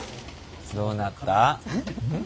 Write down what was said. どうなった？